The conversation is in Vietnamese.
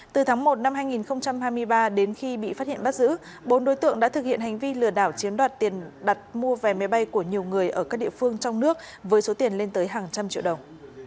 từ tháng một năm hai nghìn hai mươi ba đến khi bị phát hiện bắt giữ bốn đối tượng đã thực hiện hành vi lừa đảo chiếm đoạt tiền đặt mua vé máy bay của nhiều người ở các địa phương trong nước với số tiền lên tới hàng trăm triệu đồng